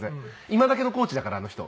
今だけのコーチだからあの人。